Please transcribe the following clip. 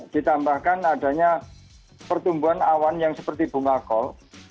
ditambahkan adanya pertumbuhan awan yang seperti bunga kol